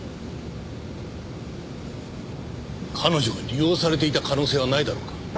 彼女が利用されていた可能性はないだろうか？